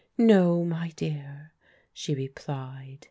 " No, my dear," she replied.